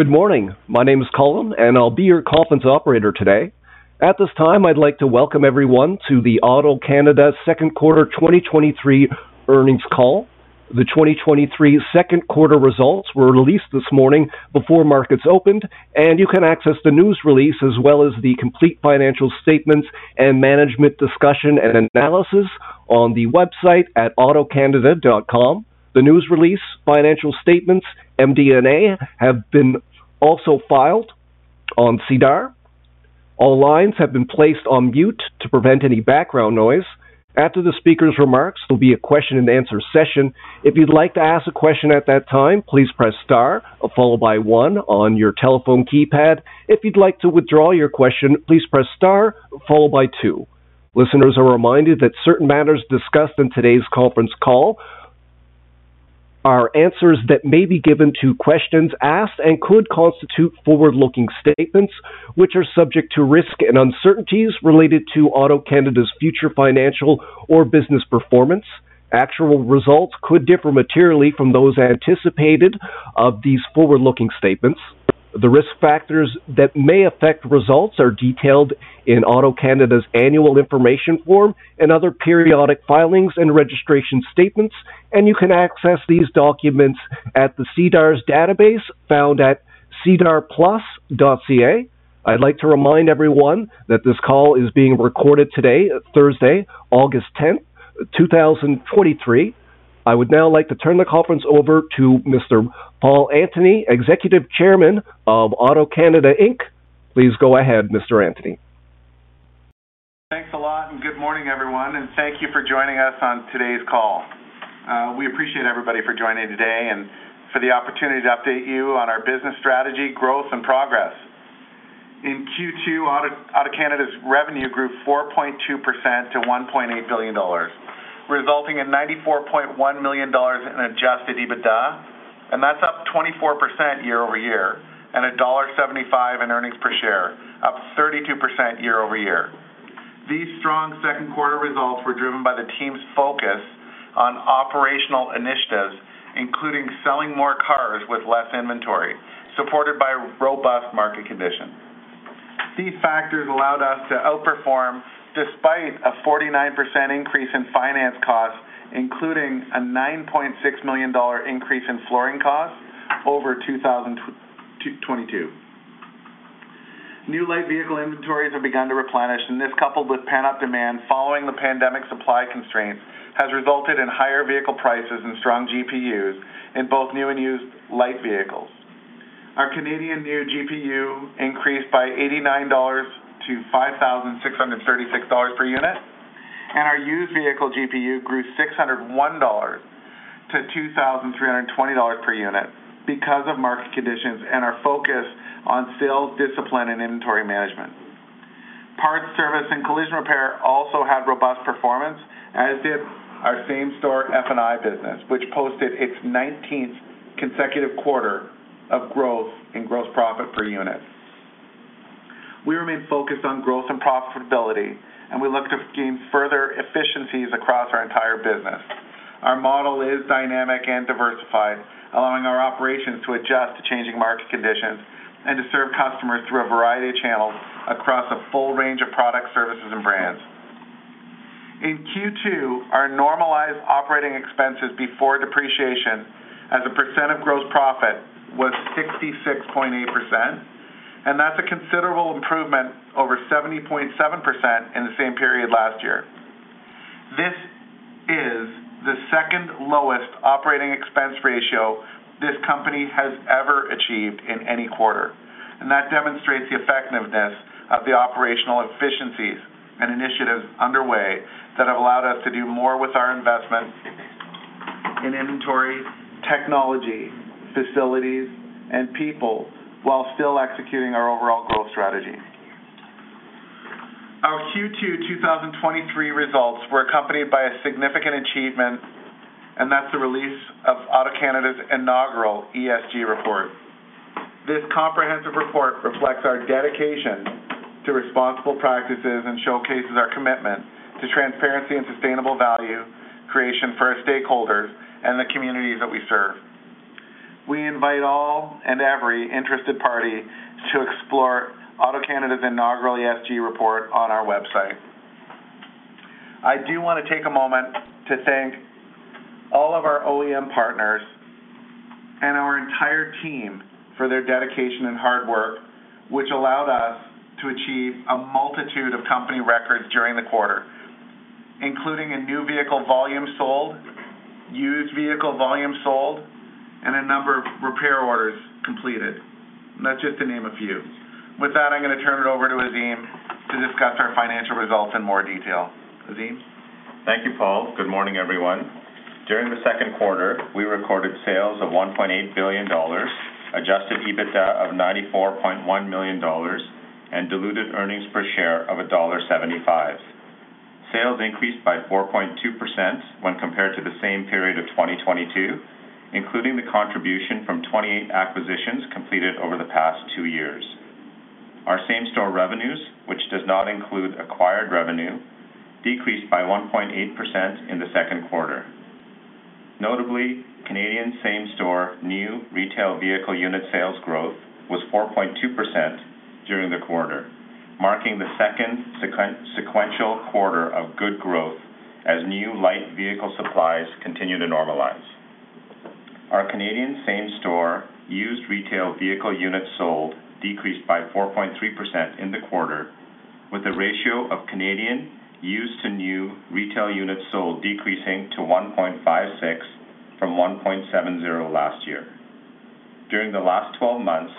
Good morning. My name is Colin, and I'll be your conference operator to day. At this time, I'd like to welcome everyone to the AutoCanada second quarter 2023 earnings call. The 2023 second quarter results were released this morning before markets opened, and you can access the news release, as well as the complete financial statements and management discussion and analysis on the website at autocanada.com. The news release, financial statements, MD&A, have been also filed on SEDAR. All lines have been placed on mute to prevent any background noise. After the speaker's remarks, there'll be a question and answer session. If you'd like to ask a question at that time, please press star, followed by 1 on your telephone keypad. If you'd like to withdraw your question, please press star, followed by 2. Listeners are reminded that certain matters discussed in today's conference call are answers that may be given to questions asked and could constitute forward-looking statements, which are subject to risk and uncertainties related to AutoCanada's future financial or business performance. Actual results could differ materially from those anticipated of these forward-looking statements. The risk factors that may affect results are detailed in AutoCanada's annual information form and other periodic filings and registration statements, and you can access these documents at the SEDAR's database, found at sedarplus.ca. I'd like to remind everyone that this call is being recorded today, Thursday, August 10, 2023. I would now like to turn the conference over to Mr. Paul Antony, Executive Chairman of AutoCanada Inc. Please go ahead, Mr. Antony. Thanks a lot. Good morning, everyone, and thank you for joining us on today's call. We appreciate everybody for joining today and for the opportunity to update you on our business strategy, growth, and progress. In Q2, AutoCanada's revenue grew 4.2% to $1.8 billion, resulting in $94.1 million in adjusted EBITDA. That's up 24% year-over-year, and $1.75 in diluted earnings per share, up 32% year-over-year. These strong second quarter results were driven by the team's focus on operational initiatives, including selling more cars with less inventory, supported by robust market conditions. These factors allowed us to outperform despite a 49% increase in finance costs, including a $9.6 million increase in flooring costs over 2022. New light vehicle inventories have begun to replenish, and this, coupled with pent-up demand following the pandemic supply constraints, has resulted in higher vehicle prices and strong GPUs in both new and used light vehicles. Our Canadian new GPU increased by 89 dollars to 5,636 dollars per unit, and our used vehicle GPU grew 601 dollars to 2,320 dollars per unit because of market conditions and our focus on sales, discipline, and inventory management. Parts, service, and collision repair also had robust performance, as did our same store F&I business, which posted its nineteenth consecutive quarter of growth in gross profit per unit. We remain focused on growth and profitability, and we look to gain further efficiencies across our entire business. Our model is dynamic and diversified, allowing our operations to adjust to changing market conditions and to serve customers through a variety of channels across a full range of products, services, and brands. In Q2, our normalized operating expenses before depreciation as a percent of gross profit was 66.8%. That's a considerable improvement over 70.7% in the same period last year. This is the second lowest operating expense ratio this company has ever achieved in any quarter. That demonstrates the effectiveness of the operational efficiencies and initiatives underway that have allowed us to do more with our investment in inventory, technology, facilities, and people while still executing our overall growth strategy. Our Q2 2023 results were accompanied by a significant achievement. That's the release of AutoCanada's inaugural ESG report. This comprehensive report reflects our dedication to responsible practices and showcases our commitment to transparency and sustainable value creation for our stakeholders and the communities that we serve. We invite all and every interested party to explore AutoCanada's inaugural ESG report on our website. I do want to take a moment to thank all of our OEM partners and our entire team for their dedication and hard work, which allowed us to achieve a multitude of company records during the quarter, including a new vehicle volume sold, used vehicle volume sold, and a number of repair orders completed. That's just to name a few. With that, I'm going to turn it over to Azim to discuss our financial results in more detail. Azim? Thank you, Paul. Good morning, everyone. During the second quarter, we recorded sales of $1.8 billion, adjusted EBITDA of $94.1 million, and diluted earnings per share of $1.75. Sales increased by 4.2% when compared to the same period of 2022, including the contribution from 28 acquisitions completed over the past two years. Our same-store revenues, which does not include acquired revenue, decreased by 1.8% in the second quarter. Notably, Canadian same-store new retail vehicle unit sales growth was 4.2% during the quarter, marking the second sequential quarter of good growth as new light vehicle supplies continue to normalize. Our Canadian same-store used retail vehicle units sold decreased by 4.3% in the quarter, with a ratio of Canadian used to new retail units sold decreasing to 1.56 from 1.70 last year. During the last 12 months,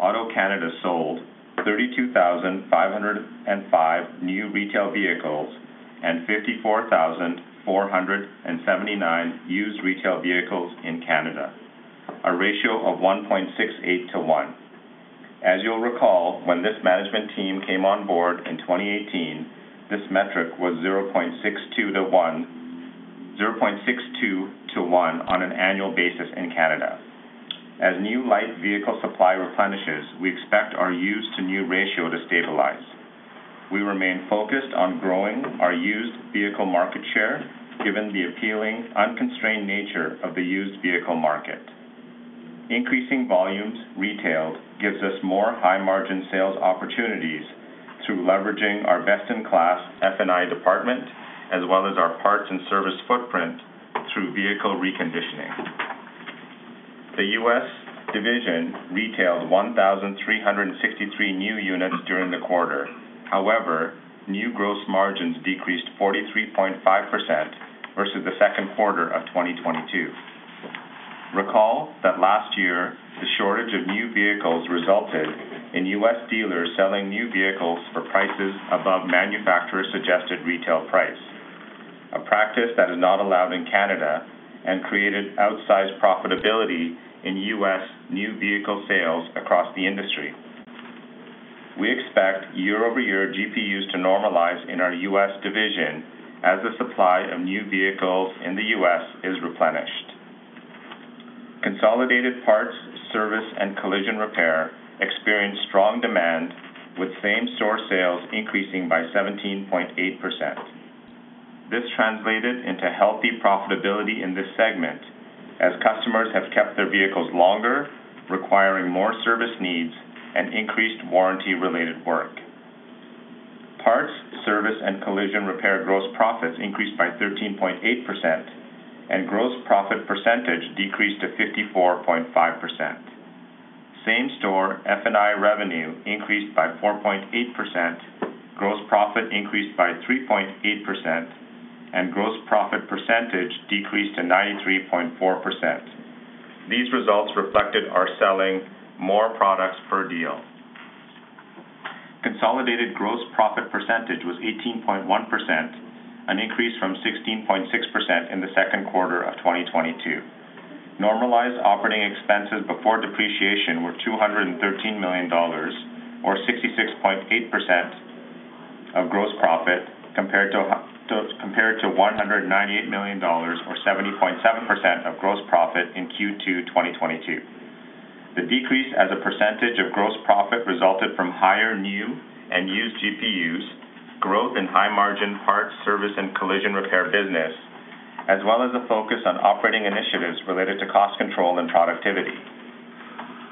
AutoCanada sold 32,505 new retail vehicles and 54,479 used retail vehicles in Canada, a ratio of 1.68 to 1. As you'll recall, when this management team came on board in 2018, this metric was 0.62 to 1-0.62 to 1 on an annual basis in Canada. As new light vehicle supply replenishes, we expect our used to new ratio to stabilize. We remain focused on growing our used vehicle market share, given the appealing, unconstrained nature of the used vehicle market. Increasing volumes retailed gives us more high-margin sales opportunities through leveraging our best-in-class F&I department, as well as our parts and service footprint through vehicle reconditioning. The U.S. division retailed 1,363 new units during the quarter. However, new gross margins decreased 43.5% versus the second quarter of 2022. Recall that last year, the shortage of new vehicles resulted in U.S. dealers selling new vehicles for prices above manufacturer's suggested retail price, a practice that is not allowed in Canada and created outsized profitability in U.S. new vehicle sales across the industry. We expect year-over-year GPUs to normalize in our U.S. division as the supply of new vehicles in the U.S. is replenished. Consolidated parts, service, and collision repair experienced strong demand, with same-store sales increasing by 17.8%. This translated into healthy profitability in this segment as customers have kept their vehicles longer, requiring more service needs and increased warranty-related work. Parts, service, and collision repair gross profits increased by 13.8%, and gross profit percentage decreased to 54.5%. Same-store F&I revenue increased by 4.8%, gross profit increased by 3.8%, and gross profit percentage decreased to 93.4%. These results reflected our selling more products per deal. Consolidated gross profit percentage was 18.1%, an increase from 16.6% in the second quarter of 2022. Normalized operating expenses before depreciation were 213 million dollars, or 66.8% of gross profit, compared to 198 million dollars, or 70.7% of gross profit in Q2 2022. The decrease as a percentage of gross profit resulted from higher new and used GPUs, growth in high-margin parts, service, and collision repair business, as well as a focus on operating initiatives related to cost control and productivity.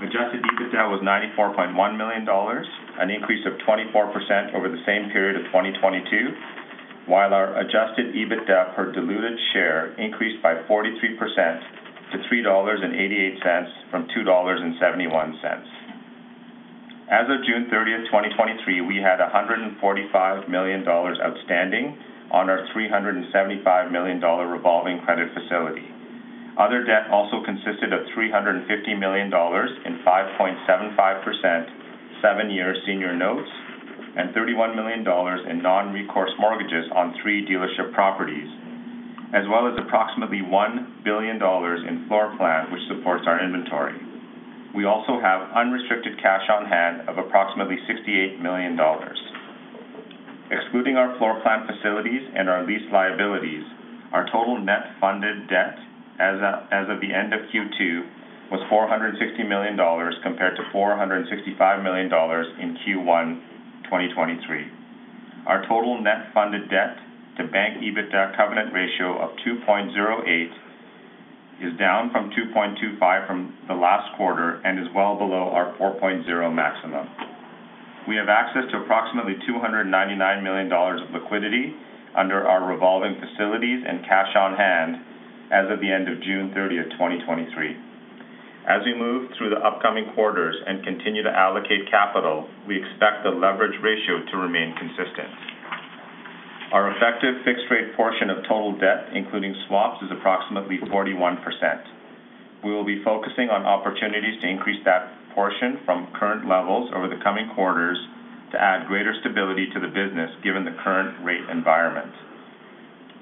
Adjusted EBITDA was 94.1 million dollars, an increase of 24% over the same period of 2022, while our adjusted EBITDA per diluted share increased by 43% to 3.88 dollars from 2.71 dollars. As of June 30th, 2023, we had 145 million dollars outstanding on our 375 million dollar revolving credit facility. Other debt consisted of 350 million dollars in 5.75%, 7-year senior notes, and 31 million dollars in non-recourse mortgages on 3 dealership properties, as well as approximately 1 billion dollars in floor plan, which supports our inventory. We have unrestricted cash on hand of approximately 68 million dollars. Excluding our floor plan facilities and our lease liabilities, our total net funded debt as of the end of Q2 was 460 million dollars, compared to 465 million dollars in Q1 2023. Our total net funded debt to bank EBITDA covenant ratio of 2.08 is down from 2.25 from the last quarter and is well below our 4.0 maximum. We have access to approximately $299 million of liquidity under our revolving facilities and cash on hand as of the end of June 30, 2023. As we move through the upcoming quarters and continue to allocate capital, we expect the leverage ratio to remain consistent. Our effective fixed-rate portion of total debt, including swaps, is approximately 41%. We will be focusing on opportunities to increase that portion from current levels over the coming quarters to add greater stability to the business, given the current rate environment.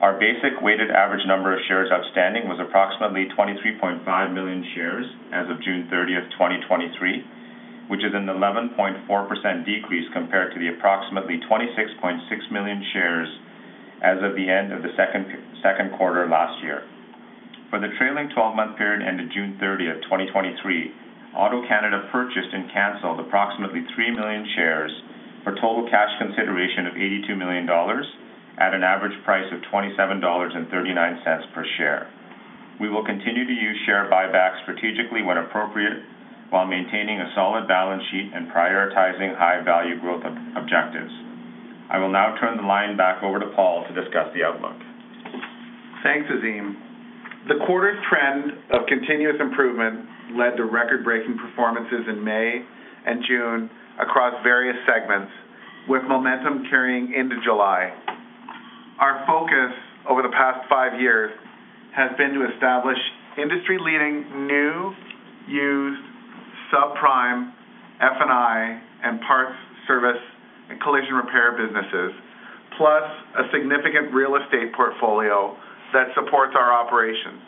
Our basic weighted average number of shares outstanding was approximately 23.5 million shares as of June 30, 2023, which is an 11.4% decrease compared to the approximately 26.6 million shares as of the end of the second quarter last year. For the trailing 12-month period ended June 30, 2023, AutoCanada purchased and canceled 3 million shares for total cash consideration of $82 million at an average price of $27.39 per share. We will continue to use share buybacks strategically when appropriate, while maintaining a solid balance sheet and prioritizing high value growth objectives. I will now turn the line back over to Paul to discuss the outlook. Thanks, Azim. The quarter's trend of continuous improvement led to record-breaking performances in May and June across various segments, with momentum carrying into July. Our focus over the past five years has been to establish industry-leading new, used, subprime, F&I, and parts, service, and collision repair businesses, plus a significant real estate portfolio that supports our operations.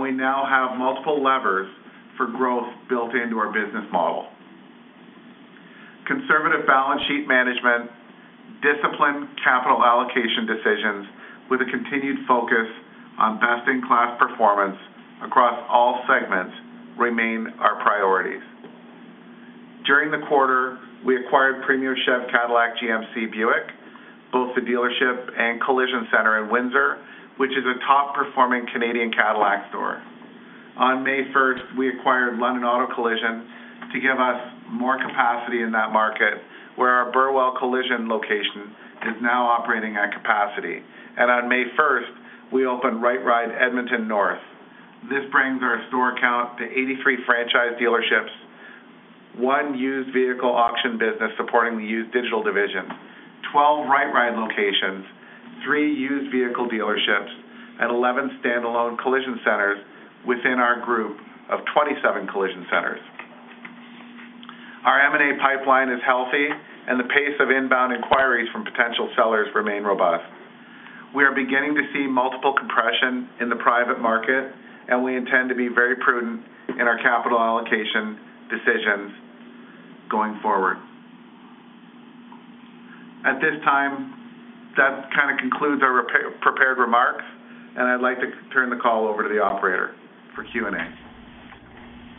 We now have multiple levers for growth built into our business model. Conservative balance sheet management, disciplined capital allocation decisions with a continued focus on best-in-class performance across all segments remain our priorities. During the quarter, we acquired Premier Chevrolet Cadillac Buick GMC, both the dealership and collision center in Windsor, which is a top-performing Canadian Cadillac store. On May first, we acquired London Auto Collision to give us more capacity in that market, where our Burwell Collision location is now operating at capacity. On May first, we opened Right Ride Edmonton North. This brings our store count to 83 franchise dealerships, one used vehicle auction business supporting the used digital division, 12 RightRide locations, three used vehicle dealerships, and 11 standalone collision centers within our group of 27 collision centers. Our M&A pipeline is healthy, and the pace of inbound inquiries from potential sellers remain robust. We are beginning to see multiple compression in the private market, and we intend to be very prudent in our capital allocation decisions going forward. At this time, that kind of concludes our prepared remarks, and I'd like to turn the call over to the operator for Q&A.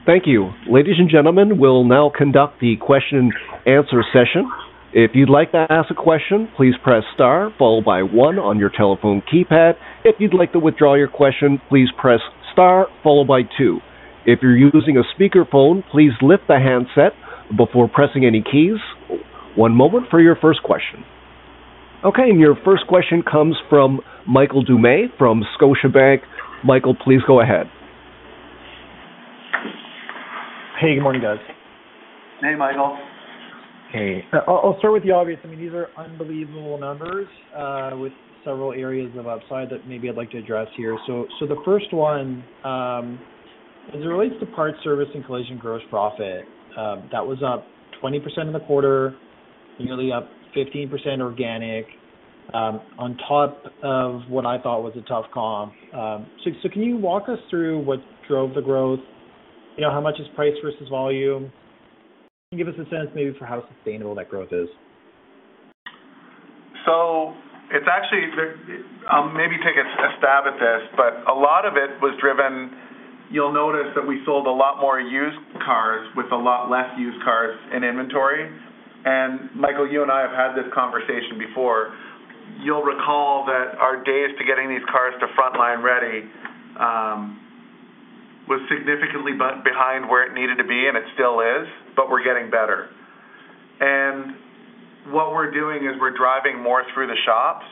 Thank you. Ladies and gentlemen, we'll now conduct the question and answer session. If you'd like to ask a question, please press star, followed by 1 on your telephone keypad. If you'd like to withdraw your question, please press star, followed by 2. If you're using a speakerphone, please lift the handset before pressing any keys. 1 moment for your 1st question. Okay, your 1st question comes from Michael Doumet from Scotiabank. Michael, please go ahead. Hey, good morning, guys. Hey, Michael. Hey, I'll start with the obvious. These are unbelievable numbers, with several areas of upside that maybe I'd like to address here. The first one, as it relates to parts, service, and collision gross profit, that was up 20% in the quarter, nearly up 15% organic, on top of what I thought was a tough comp. Can you walk us through what drove the growth? You know, how much is price versus volume? Can you give us a sense maybe for how sustainable that growth is? It's actually, I'll maybe take a stab at this, but a lot of it was driven. You'll notice that we sold a lot more used cars with a lot less used cars in inventory. Michael, you and I have had this conversation before. You'll recall that our days to getting these cars to frontline ready was significantly behind where it needed to be, and it still is, but we're getting better. What we're doing is we're driving more through the shops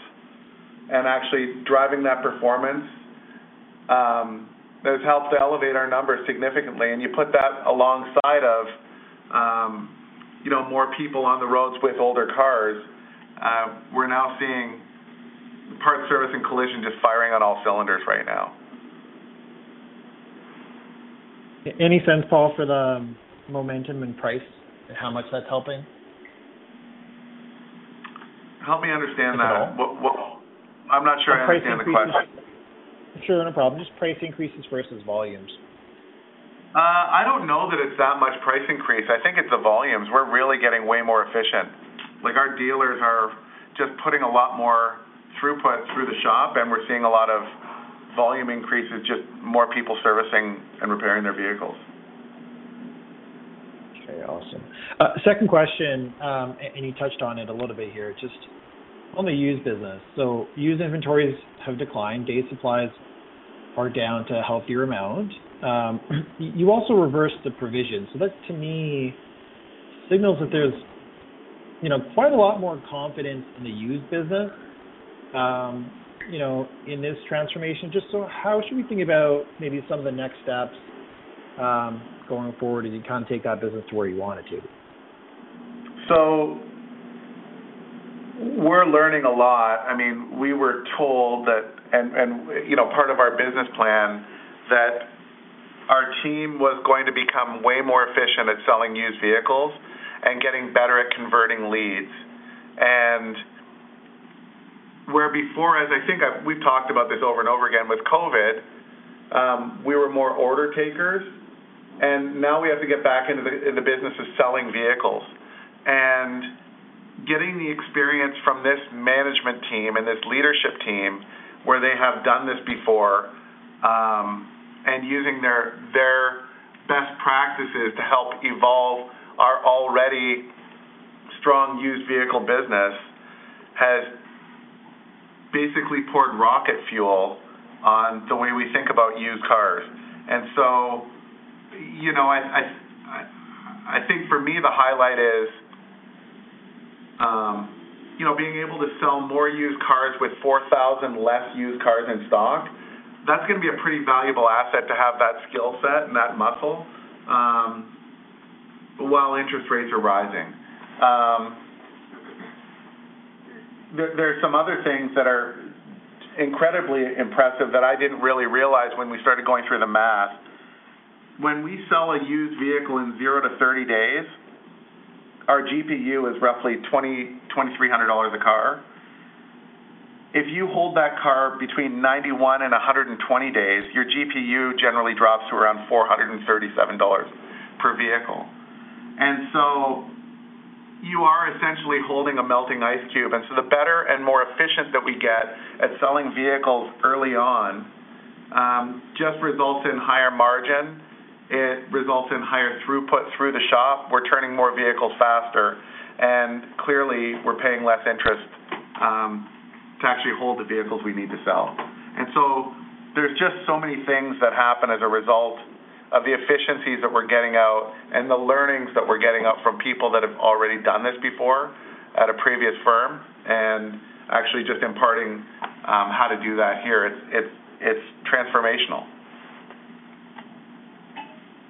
and actually driving that performance. That has helped to elevate our numbers significantly, and you put that alongside of, you know, more people on the roads with older cars, we're now seeing parts, service, and collision just firing on all cylinders right now. Any sense, Paul, for the momentum and price and how much that's helping? Help me understand that? Sure. What, what, I'm not sure I understand the question? Sure, no problem. Just price increases versus volumes. I don't know that it's that much price increase. I think it's the volumes. We're really getting way more efficient. Like, our dealers are just putting a lot more throughput through the shop, and we're seeing a lot of volume increases, just more people servicing and repairing their vehicles. Okay, awesome. Second question, and you touched on it a little bit here, just on the used business. Used inventories have declined. Day supplies are down to a healthier amount. You also reversed the provision, so that, to me, signals that there's quite a lot more confidence in the used business, you know, in this transformation. How should we think about maybe some of the next steps, going forward as you kind of take that business to where you want it to? We're learning a lot. We were told that, and, and, you know, part of our business plan, that our team was going to become way more efficient at selling used vehicles and getting better at converting leads. Where before, as we've talked about this over and over again, with COVID, we were more order takers, and now we have to get back into the, in the business of selling vehicles. Getting the experience from this management team and this leadership team, where they have done this before, and using their, their best practices to help evolve our already strong used vehicle business, has basically poured rocket fuel on the way we think about used cars. For me, the highlight is being able to sell more used cars with 4,000 less used cars in stock, that's gonna be a pretty valuable asset to have that skill set and that muscle, while interest rates are rising. There are some other things that are incredibly impressive that I didn't really realize when we started going through the math. When we sell a used vehicle in 0 to 30 days, our GPU is roughly 2,000-2,300 dollars a car. If you hold that car between 91 and 120 days, your GPU generally drops to around 437 dollars per vehicle. You are essentially holding a melting ice cube, and so the better and more efficient that we get at selling vehicles early on, just results in higher margin, it results in higher throughput through the shop. We're turning more vehicles faster, and clearly, we're paying less interest to actually hold the vehicles we need to sell. There's just so many things that happen as a result of the efficiencies that we're getting out and the learnings that we're getting out from people that have already done this before at a previous firm, and actually just imparting, how to do that here. It's, it's, it's transformational.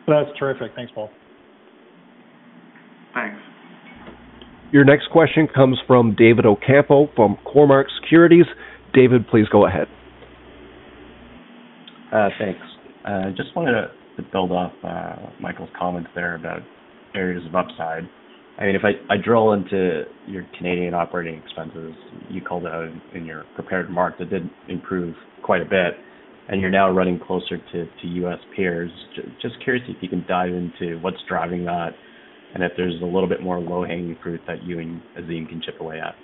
That's terrific. Thanks, Paul. Thanks. Your next question comes from David Ocampo, from Cormark Securities. David, please go ahead. Thanks. I just wanted to build off Michael's comments there about areas of upside. I mean, if I, I drill into your Canadian operating expenses, you called out in your prepared mark, that did improve quite a bit, and you're now running closer to U.S. peers. Just curious if you can dive into what's driving that and if there's a little bit more low-hanging fruit that you and Azim can chip away at.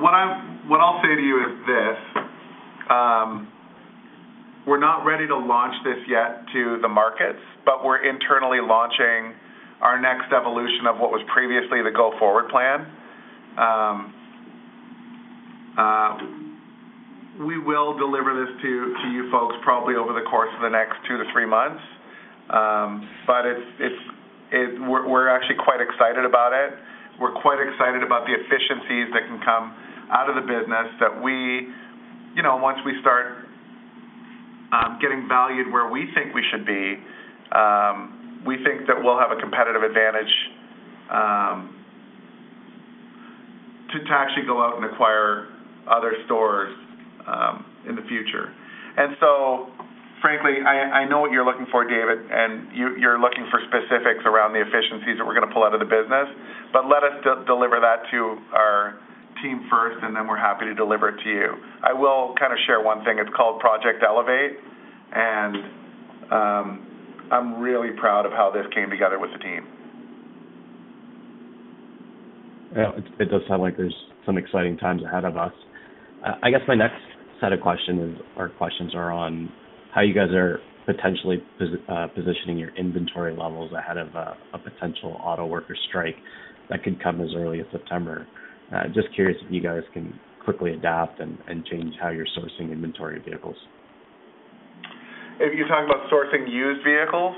What I'll say to you is this: we're not ready to launch this yet to the markets. We're internally launching our next evolution of what was previously the go-forward plan. We will deliver this to, to you folks, probably over the course of the next 2 to 3 months. We're actually quite excited about it. We're quite excited about the efficiencies that can come out of the business that once we start getting valued where we think we should be, we think that we'll have a competitive advantage to, to actually go out and acquire other stores in the future. Frankly, I know what you're looking for, David, and you, you're looking for specifics around the efficiencies that we're gonna pull out of the business, but let us de-deliver that to our team first, and then we're happy to deliver it to you. I will kind of share one thing. It's called Project Elevate, and, I'm really proud of how this came together with the team. Yeah, it, it does sound like there's some exciting times ahead of us. My next set of questions or questions are on how you guys are potentially positioning your inventory levels ahead of a potential auto worker strike that could come as early as September. Just curious if you guys can quickly adapt and, and change how you're sourcing inventory vehicles. If you're talking about sourcing used vehicles?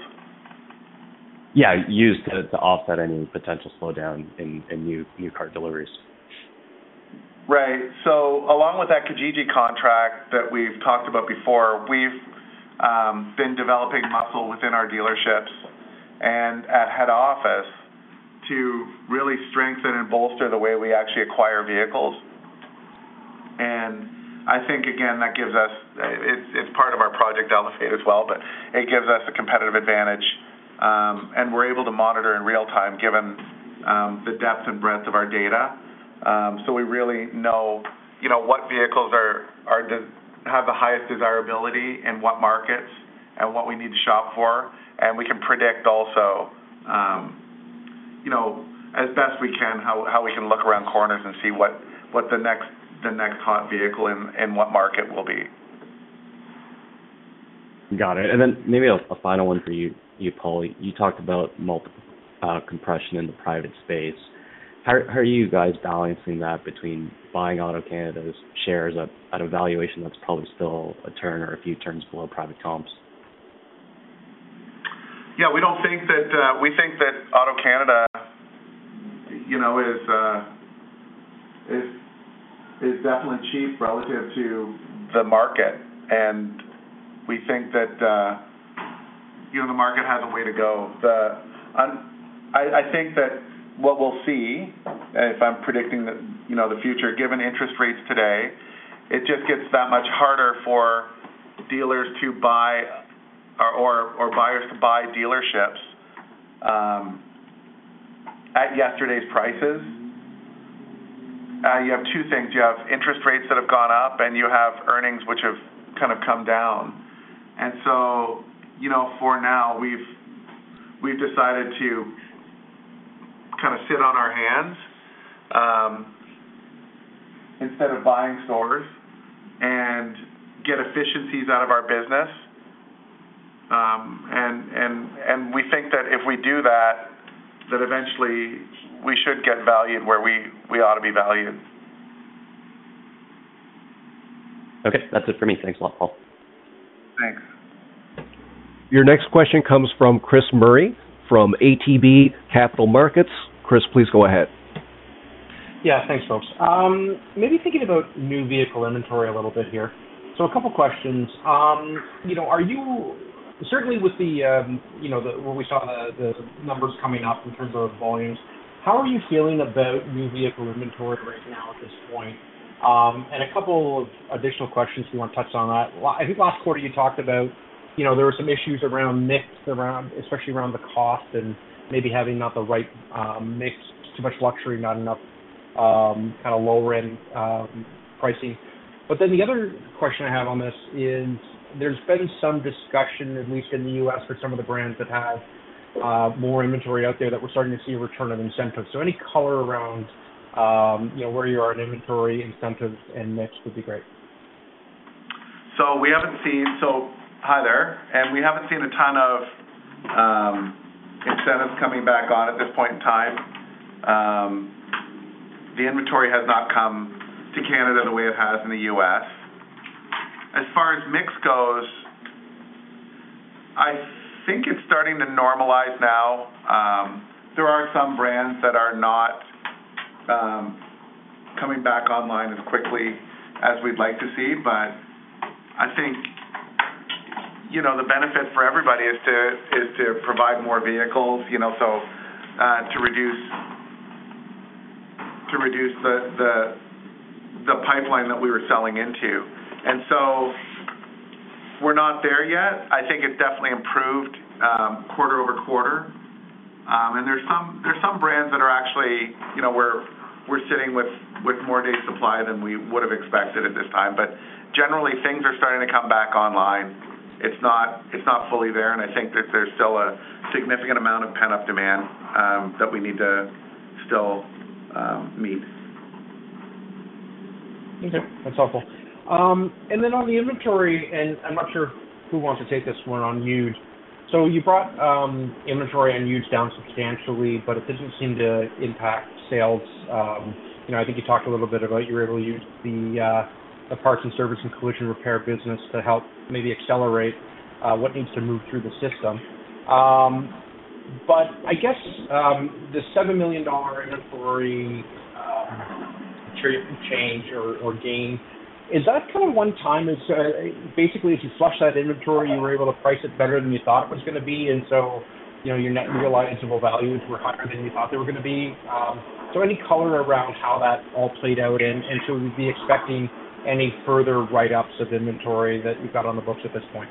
Yeah, used to, to offset any potential slowdown in, in new, new car deliveries. Right. Along with that Kijiji contract that we've talked about before, we've been developing muscle within our dealerships and at head office to really strengthen and bolster the way we actually acquire vehicles. It's part of our Project Elevate as well, but it gives us a competitive advantage, and we're able to monitor in real time, given the depth and breadth of our data, so we really know, you know, what vehicles are, have the highest desirability in what markets and what we need to shop for, and we can predict also, you know, as best we can, how, how we can look around corners and see what, what the next, the next hot vehicle in, in what market will be. Got it. Then maybe a final one for you, Paul. You talked about multiple compression in the private space. How are you guys balancing that between buying AutoCanada's shares at a valuation that's probably still a turn or a few turns below private comps? We think that AutoCanada, is definitely cheap relative to the market, and we think that, you know, the market has a way to go. I think that what we'll see, and if I'm predicting the future, given interest rates today, it just gets that much harder for dealers to buy or, buyers to buy dealerships at yesterday's prices. Now you have two things. You have interest rates that have gone up, and you have earnings which have kind of come down. You know, for now, we've, we've decided to kind of sit on our hands instead of buying stores and get efficiencies out of our business. We think that if we do that, that eventually we should get valued where we, we ought to be valued. Okay, that's it for me. Thanks a lot, Paul. Thanks. Your next question comes from Chris Murray, from ATB Capital Markets. Chris, please go ahead. Yeah, thanks, folks. Maybe thinking about new vehicle inventory a little bit here. A couple of questions, are you certainly with the, where we saw the, the numbers coming up in terms of volumes, how are you feeling about new vehicle inventory right now at this point? A couple of additional questions you want to touch on that. Last quarter you talked about, you know, there were some issues around mix, around, especially around the cost and maybe having not the right mix, too much luxury, not enough kind of lower-end pricing. Then the other question I have on this is, there's been some discussion, at least in the U.S., for some of the brands that have more inventory out there, that we're starting to see a return on incentives. Any color around, you know, where you are in inventory, incentives, and mix would be great. We haven't seen a ton of incentives coming back on at this point in time. The inventory has not come to Canada the way it has in the US. As far as mix goes, it's starting to normalize now. There are some brands that are not coming back online as quickly as we'd like to see, but the benefit for everybody is to provide more vehicles so, to reduce, to reduce the pipeline that we were selling into. We're not there yet. I think it definitely improved, quarter-over-quarter. There's some, there's some brands that are actually we're sitting with, with more day supply than we would have expected at this time, but generally, things are starting to come back online. It's not, it's not fully there, and I think that there's still a significant amount of pent-up demand that we need to still meet. Okay, that's helpful. Then on the inventory, and I'm not sure who wants to take this one on used. You brought inventory on used down substantially, but it doesn't seem to impact sales. I think you talked a little bit about you were able to use the parts and service and collision repair business to help maybe accelerate what needs to move through the system. I guess, the $7 million inventory change or, or gain, is that kind of one-time? Is, basically, if you flush that inventory, you were able to price it better than you thought it was gonna be, and your net realizable value were higher than you thought they were gonna be. Any color around how that all played out, and, and so we'd be expecting any further write-ups of inventory that you've got on the books at this point?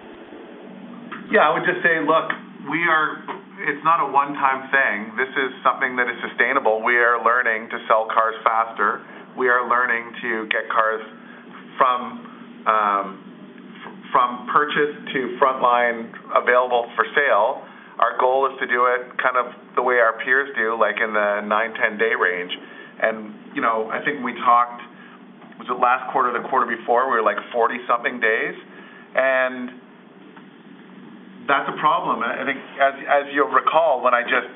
Yeah, I would just say, look, we are. It's not a one-time thing. This is something that is sustainable. We are learning to sell cars faster. We are learning to get cars from, from purchase to frontline available for sale. Our goal is to do it kind of the way our peers do, like in the 9, 10-day range. You know, I think we talked, was it last quarter, the quarter before, we were, like, 40-something days, and that's a problem. I think as, as you'll recall, when I just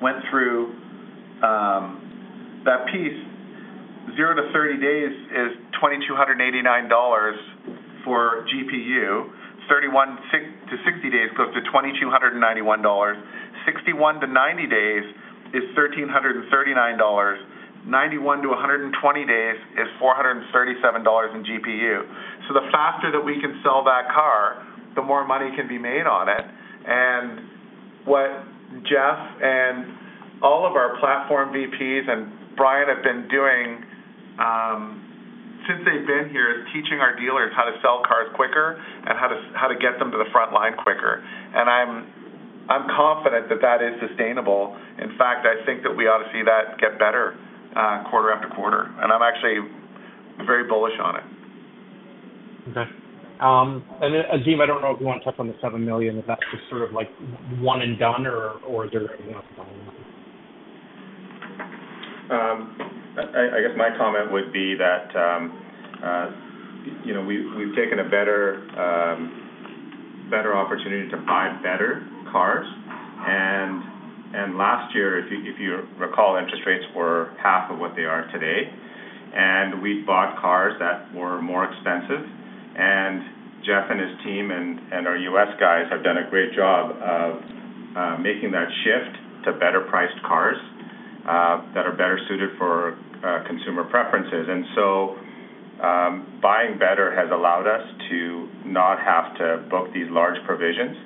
went through that piece, 0 to 30 days is $2,289 for GPU, 31 to 60 days goes to $2,291. 61 to 90 days is $1,339. 91 to 120 days is $437 in GPU. The faster that we can sell that car, the more money can be made on it. What Jeff and all of our platform VPs and Brian have been doing, since they've been here, is teaching our dealers how to sell cars quicker and how to, how to get them to the front line quicker. I'm, I'm confident that that is sustainable. In fact, I think that we ought to see that get better, quarter after quarter, and I'm actually very bullish on it. Okay. Azim, I don't know if you want to touch on the 7 million, if that's just sort of like one and done or, or is there anything else on that? I guess my comment would be that, you know, we've, we've taken a better, better opportunity to buy better cars. Last year, if you, if you recall, interest rates were half of what they are today, and we bought cars that were more expensive, and Jeff and his team and, and our U.S. guys have done a great job of making that shift to better priced cars that are better suited for consumer preferences. Buying better has allowed us to not have to book these large provisions.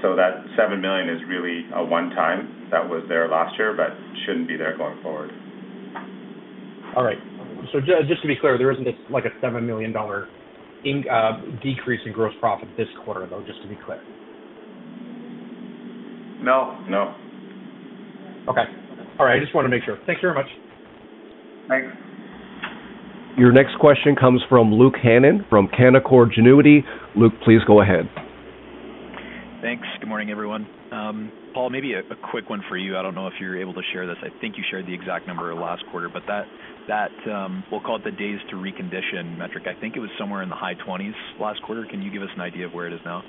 So, that $7 million is really a one time that was there last year, but shouldn't be there going forward. All right. Just to be clear, there isn't a, like, a 7 million dollar decrease in gross profit this quarter, though, just to be clear? No, no. Okay. All right, I just wanted to make sure. Thank you very much. Thanks. Your next question comes from Luke Hannan, from Canaccord Genuity. Luke, please go ahead. Thanks. Good morning, everyone. Paul, maybe a quick one for you. I don't know if you're able to share this. I think you shared the exact number last quarter, but that, that, we'll call it the days to recondition metric. I think it was somewhere in the high 20s last quarter. Can you give us an idea of where it is now?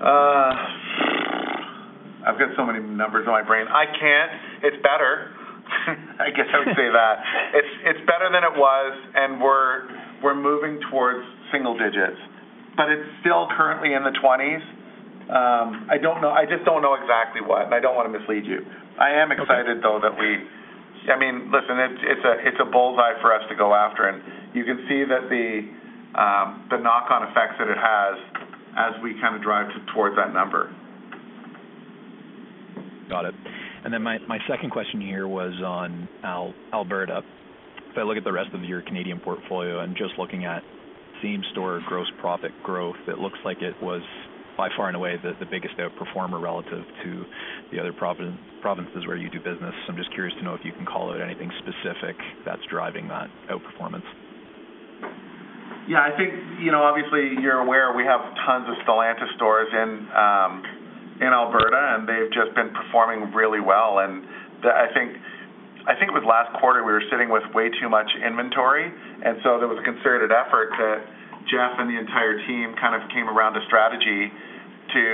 Phew, I've got so many numbers in my brain. I can't. It's better. I guess I would say that. It's, it's better than it was, and we're, we're moving towards single digits, but it's still currently in the twenties. I don't know, I just don't know exactly what, and I don't want to mislead you. Okay. I am excited, though, that I mean, listen, it's, it's a, it's a bullseye for us to go after, and you can see that the, the knock-on effects that it has as we kind of drive to-towards that number. Got it. Then my second question here was on Alberta. If I look at the rest of your Canadian portfolio and just looking at same-store gross profit growth, it looks like it was by far and away the, the biggest outperformer relative to the other provinces where you do business. I'm just curious to know if you can call out anything specific that's driving that outperformance. Yeah, Obviously, you're aware we have tons of Stellantis stores in Alberta, and they've just been performing really well. The, I think, I think with last quarter, we were sitting with way too much inventory, and so there was a concerted effort that Jeff and the entire team kind of came around a strategy to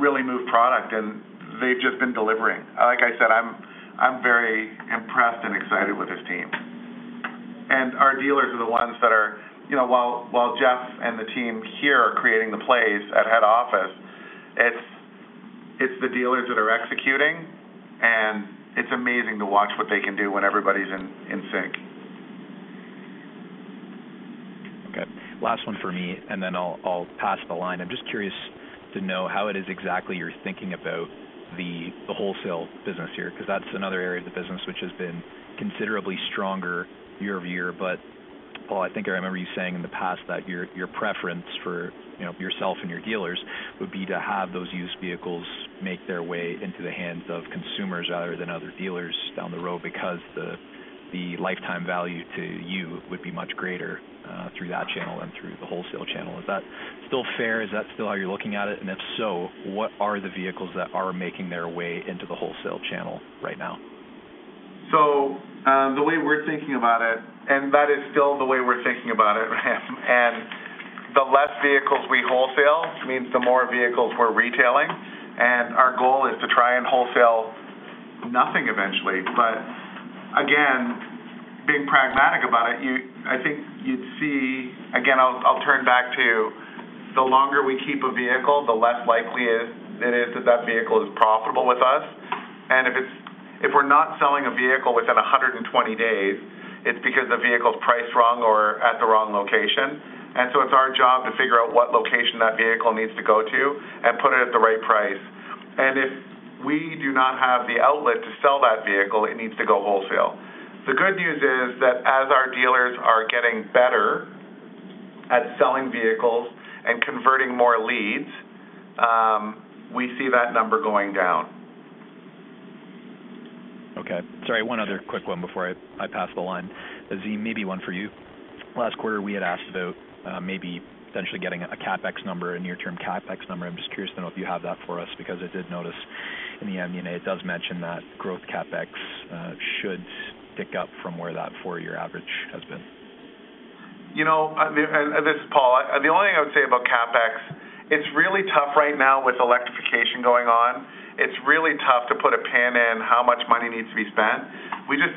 really move product, and they've just been delivering. Like I said I'm very impressed and excited with this team. Our dealers are the ones that are, you know, while, while Jeff and the team here are creating the plays at head office, it's, it's the dealers that are executing, and it's amazing to watch what they can do when everybody's in, in sync. Okay. Last one for me, then I'll, I'll pass the line. I'm just curious to know how it is exactly you're thinking about the, the wholesale business here, 'cause that's another area of the business which has been considerably stronger year-over-year. Paul, I think I remember you saying in the past that your, your preference for, you know, yourself and your dealers would be to have those used vehicles make their way into the hands of consumers rather than other dealers down the road, because the, the lifetime value to you would be much greater through that channel than through the wholesale channel. Is that still fair? Is that still how you're looking at it? If so, what are the vehicles that are making their way into the wholesale channel right now? The way we're thinking about it. That is still the way we're thinking about it. The less vehicles we wholesale means the more vehicles we're retailing. Our goal is to try and wholesale nothing eventually. Again, being pragmatic about it, you I think you'd see, again, I'll, I'll turn back to the longer we keep a vehicle, the less likely it is that that vehicle is profitable with us. If we're not selling a vehicle within 120 days, it's because the vehicle's priced wrong or at the wrong location. It's our job to figure out what location that vehicle needs to go to and put it at the right price. If we do not have the outlet to sell that vehicle, it needs to go wholesale. The good news is that as our dealers are getting better at selling vehicles and converting more leads, we see that number going down. Okay. Sorry, one other quick one before I pass the line. Z, maybe one for you. Last quarter, we had asked about maybe potentially getting a CapEx number, a near-term CapEx number. I'm just curious to know if you have that for us, because I did notice in the MD&A, it does mention that growth CapEx should pick up from where that four-year average has been. This is Paul. The only thing I would say about CapEx, it's really tough right now with electrification going on. It's really tough to put a pin in how much money needs to be spent. We just,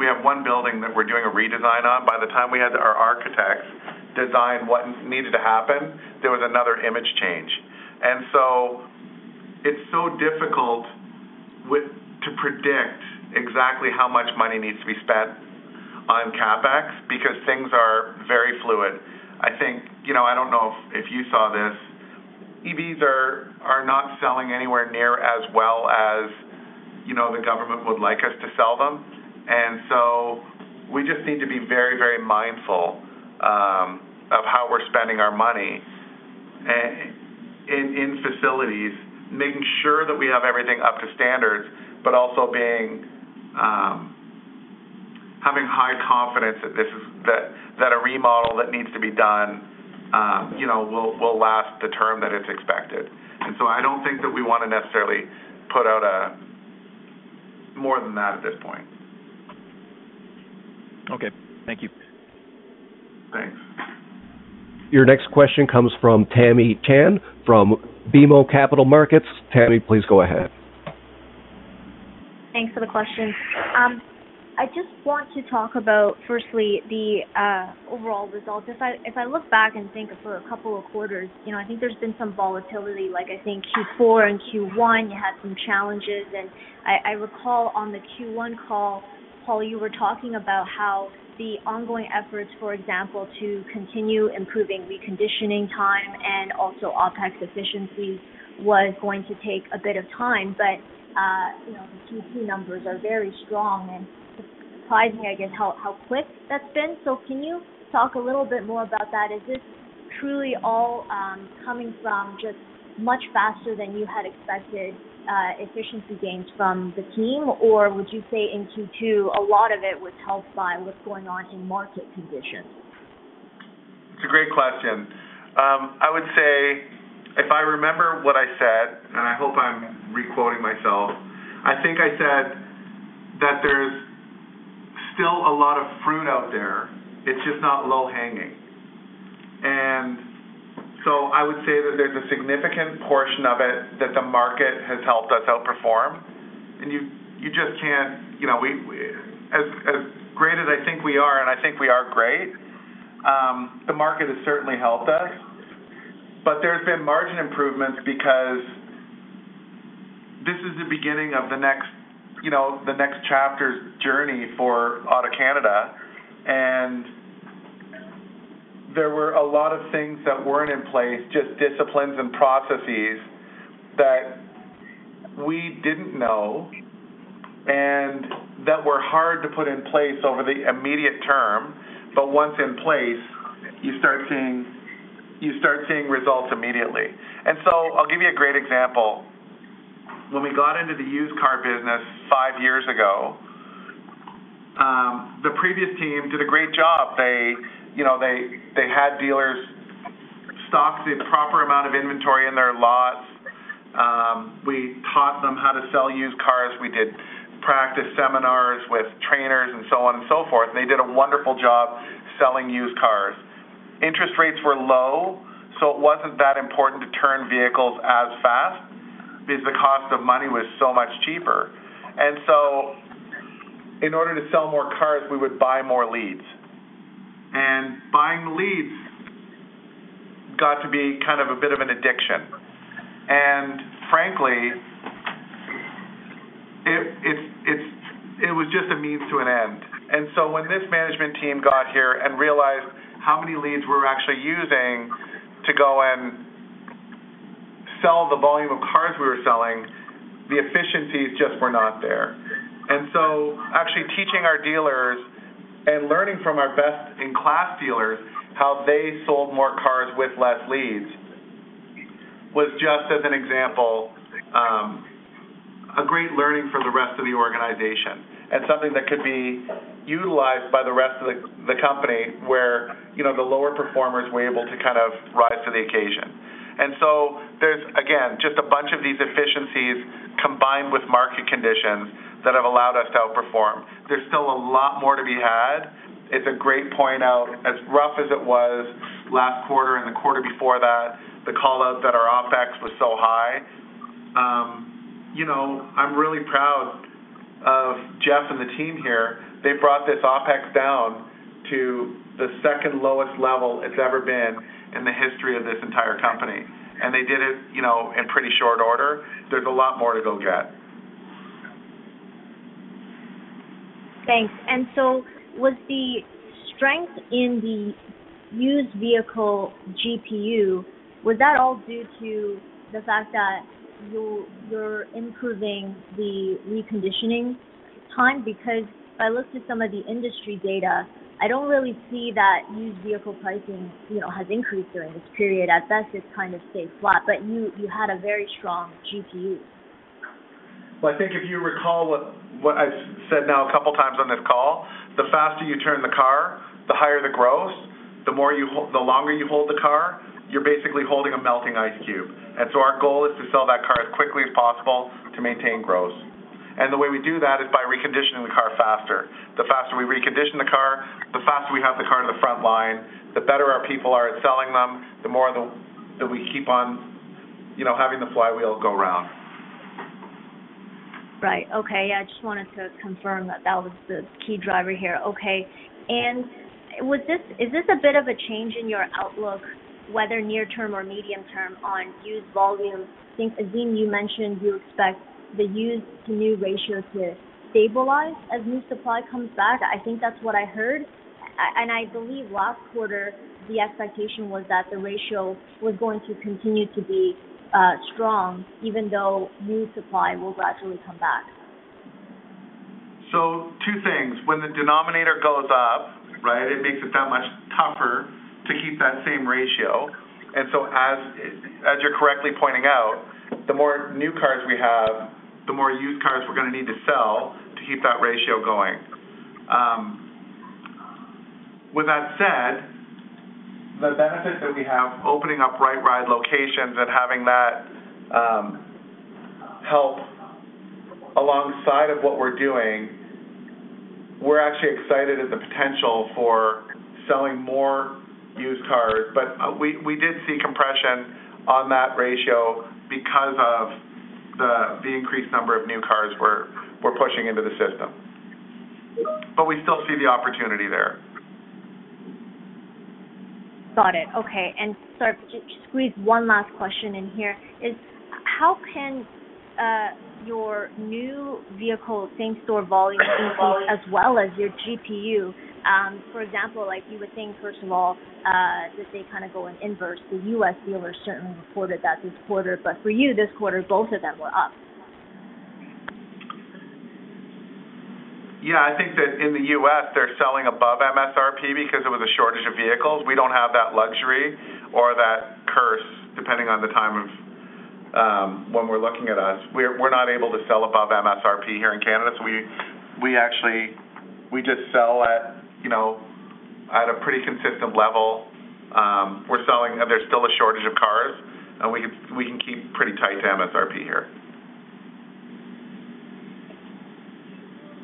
we have one building that we're doing a redesign on. By the time we had our architects design what needed to happen, there was another image change. So it's so difficult to predict exactly how much money needs to be spent on CapEx because things are very fluid. I don't know if, if you saw this, EVs are, are not selling anywhere near as well as, you know, the government would like us to sell them. We just need to be very, very mindful of how we're spending our money in, in facilities, making sure that we have everything up to standards, but also being having high confidence that this is, that, that a remodel that needs to be done, you know, will, will last the term that it's expected. I don't think that we want to necessarily put out more than that at this point. Okay. Thank you. Thanks. Your next question comes from Tamy Chen, from BMO Capital Markets. Tamy, please go ahead. Thanks for the question. I just want to talk about, firstly, the overall results. If I, if I look back and think for a couple of quarters, you know, I think there's been some volatility, like I think Q4 and Q1, you had some challenges. I, I recall on the Q1 call, Paul, you were talking about how the ongoing efforts, for example, to continue improving reconditioning time and also OpEx efficiency was going to take a bit of time, but, you know, the Q2 numbers are very strong, and surprising, I guess, how, how quick that's been. Can you talk a little bit more about that? Is this truly all coming from just much faster than you had expected, efficiency gains from the team? Would you say in Q2, a lot of it was helped by what's going on in market conditions?` It's a great question. I would say, if I remember what I said, and I hope I'm re-quoting myself, I think I said that there's still a lot of fruit out there. It's just not low hanging. I would say that there's a significant portion of it that the market has helped us outperform, and you, you just can't, you know, we, as, as great as I think we are, and I think we are great, the market has certainly helped us, but there's been margin improvements because this is the beginning of the next, you know, the next chapter's journey for AutoCanada, and there were a lot of things that weren't in place, just disciplines and processes, that we didn't know and that were hard to put in place over the immediate term. Once in place, you start seeing, you start seeing results immediately. I'll give you a great example. When we got into the used car business 5 years ago, the previous team did a great job. They, you know, they, they had dealers stock the proper amount of inventory in their lots. We taught them how to sell used cars. We did practice seminars with trainers and so on and so forth. They did a wonderful job selling used cars. Interest rates were low, so it wasn't that important to turn vehicles as fast because the cost of money was so much cheaper. So in order to sell more cars, we would buy more leads. Buying leads got to be kind of a bit of an addiction. Frankly, it, it's, it's, it was just a means to an end. When this management team got here and realized how many leads we were actually using to go and sell the volume of cars we were selling, the efficiencies just were not there. Actually teaching our dealers and learning from our best-in-class dealers, how they sold more cars with less leads, was just as an example, a great learning for the rest of the organization and something that could be utilized by the rest of the, the company where the lower performers were able to kind of rise to the occasion. There's, again, just a bunch of these efficiencies combined with market conditions that have allowed us to outperform. There's still a lot more to be had. It's a great point out, as rough as it was last quarter and the quarter before that, the call out that our OpEx was so high. You know, I'm really proud of Jeff and the team here. They brought this OpEx down to the second lowest level it's ever been in the history of this entire company, and they did it in pretty short order. There's a lot more to go get. Thanks. Was the strength in the used vehicle GPU, was that all due to the fact that you're improving the reconditioning time? If I look to some of the industry data, I don't really see that used vehicle pricing has increased during this period. At best, it's kind of stayed flat, you, you had a very strong GPU. Well, if you recall what, what I've said now a couple of times on this call, the faster you turn the car, the higher the gross, the longer you hold the car, you're basically holding a melting ice cube. Our goal is to sell that car as quickly as possible to maintain gross. The way we do that is by reconditioning the car faster. The faster we recondition the car, the faster we have the car to the front line, the better our people are at selling them, the more that we keep on, you know, having the flywheel go round. Right. Okay. I just wanted to confirm that that was the key driver here. Okay. Is this a bit of a change in your outlook, whether near term or medium term, on used volume? I think, Azim, you mentioned you expect the used-to-new ratio to stabilize as new supply comes back. That's what I heard. I believe last quarter, the expectation was that the ratio was going to continue to be strong even though new supply will gradually come back. Two things. When the denominator goes up, right, it makes it that much tougher to keep that same ratio. As, as you're correctly pointing out, the more new cars we have, the more used cars we're going to need to sell to keep that ratio going. With that said, the benefit that we have opening up RightRide locations and having that help alongside of what we're doing, we're actually excited at the potential for selling more used cars, but we, we did see compression on that ratio because of the increased number of new cars we're, we're pushing into the system. We still see the opportunity there. Got it. Okay. Sorry, just squeeze one last question in here, is how can your new vehicle same-store volume as well as your GPU, for example, like you would think, first of all, that they kind of go in inverse? The US dealers certainly reported that this quarter, but for you, this quarter, both of them were up. Yeah, In the US, they're selling above MSRP because there was a shortage of vehicles. We don't have that luxury or that curse, depending on the time of, when we're looking at us. We're, we're not able to sell above MSRP here in Canada. We, we actually, we just sell at, you know, at a pretty consistent level. We're selling, there's still a shortage of cars. We, we can keep pretty tight to MSRP here.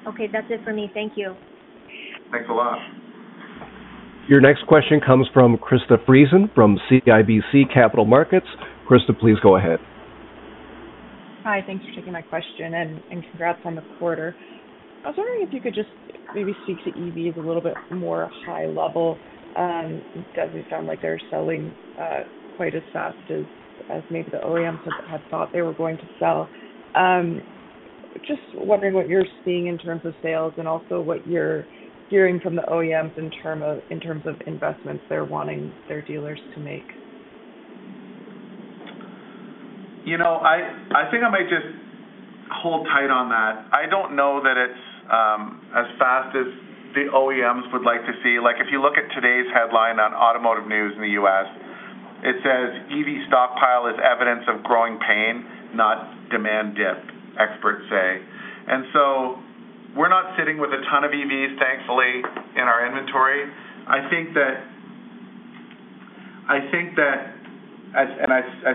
Okay, that's it for me. Thank you. Thanks a lot. Your next question comes from Krista Friesen from CIBC Capital Markets. Krista, please go ahead. Hi, thanks for taking my question, and congrats on the quarter. I was wondering if you could just maybe speak to EVs a little bit more high level. It doesn't sound like they're selling, quite as fast as, as maybe the OEMs had thought they were going to sell. Just wondering what you're seeing in terms of sales and also what you're hearing from the OEMs in terms of investments they're wanting their dealers to make. I might just hold tight on that. I don't know that it's as fast as the OEMs would like to see. Like, if you look at today's headline on Automotive News in the US, it says, "EV stockpile is evidence of growing pain, not demand dip," experts say. We're not sitting with a ton of EVs, thankfully, in our inventory. I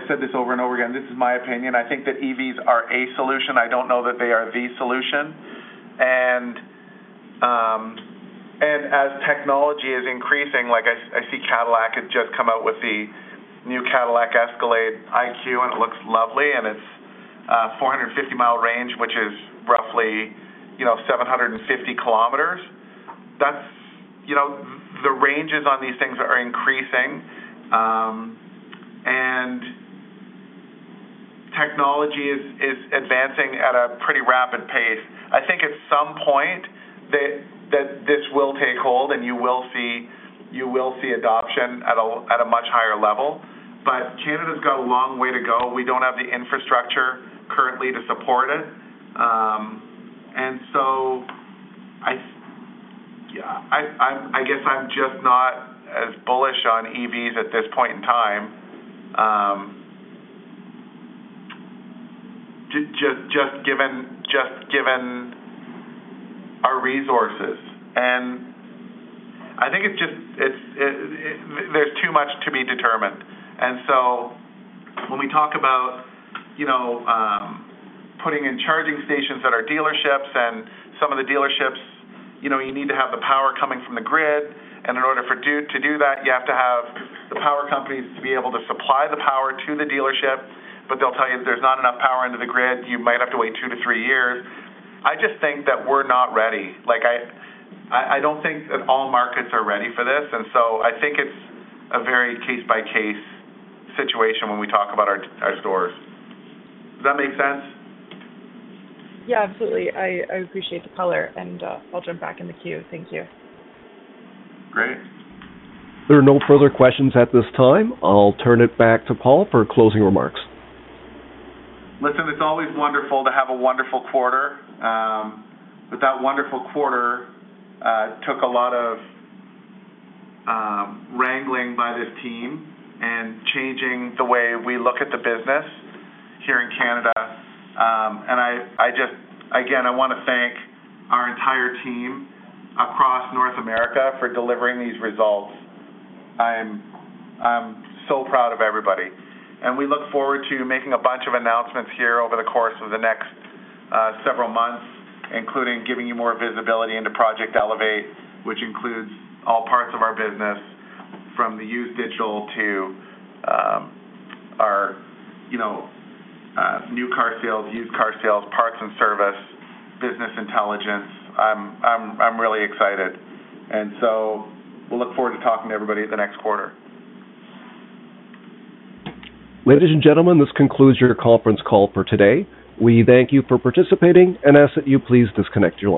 said this over and over again, this is my opinion, I think that EVs are a solution. I don't know that they are the solution. As technology is increasing, like I see Cadillac has just come out with the new Cadillac Escalade IQ, and it looks lovely, and it's a 450 mile range, which is roughly, you know, 750 kilometers. That's the ranges on these things are increasing, and technology is, is advancing at a pretty rapid pace. I think at some point, that, that this will take hold and you will see, you will see adoption at a, at a much higher level, but Canada's got a long way to go. We don't have the infrastructure currently to support it, and so I, yeah, I, I'm, I guess I'm just not as bullish on EVs at this point in time, just given, just given our resources. I think it just, it's, it, there's too much to be determined. When we talk about, you know, putting in charging stations at our dealerships and some of the dealerships, you know, you need to have the power coming from the grid, and in order to do that, you have to have the power companies to be able to supply the power to the dealership, but they'll tell you there's not enough power into the grid. You might have to wait 2 to 3 years. I just think that we're not ready. Like, I, I, I don't think that all markets are ready for this. I think it's a very case-by-case situation when we talk about our, our stores. Does that make sense? Yeah, absolutely. I, I appreciate the color, and, I'll jump back in the queue. Thank you. Great. There are no further questions at this time. I'll turn it back to Paul for closing remarks. Listen, it's always wonderful to have a wonderful quarter, but that wonderful quarter took a lot of wrangling by this team and changing the way we look at the business here in Canada. I, I just, again, I want to thank our entire team across North America for delivering these results. I'm, I'm so proud of everybody, and we look forward to making a bunch of announcements here over the course of the next several months, including giving you more visibility into Project Elevate, which includes all parts of our business, from the used digital to our, you know, new car sales, used car sales, parts and service, business intelligence. I'm, I'm, I'm really excited. We'll look forward to talking to everybody at the next quarter. Ladies and gentlemen, this concludes your conference call for today. We thank you for participating and ask that you please disconnect your lines.